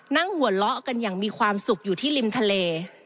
นั่งหัวเราะกันอย่างมีความสุขอยู่ที่ริมทะเล